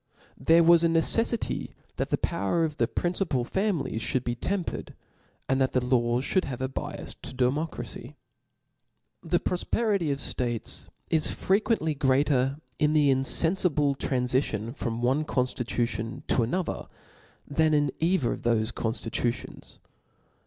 There was a ncr feffity OF LAWS. 247 ncceflity that the power of the principal families Book fhould be tempered, and that the laws fliould have q^^\. 9 biafs to democracy. The profperity of ftatcs is frequently greater in the infenfible tranlicion from one conflitucion to another, than in either of thofe conftitutions.